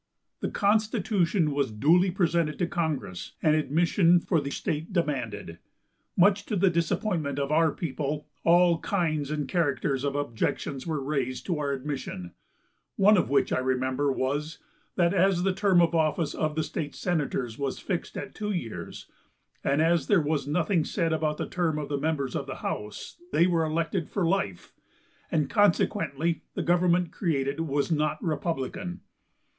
The constitution was duly presented to congress, and admission for the state demanded. Much to the disappointment of our people, all kinds and characters of objections were raised to our admission; one of which I remember was, that as the term of office of the state senators was fixed at two years, and as there was nothing said about the term of the members of the house they were elected for life, and consequently the government created was not republican.